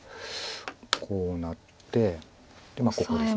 こうなってでまあここです。